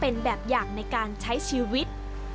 เป็นแบบอย่างในการใช้ชีวิต